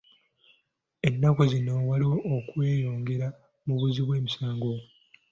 Ennaku zino waliwo okweyongera mu buzzi bw'emisango.